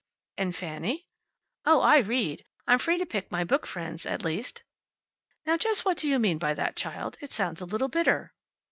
"And Fanny?" "Oh, I read. I'm free to pick my book friends, at least." "Now, just what do you mean by that, child? It sounds a little bitter."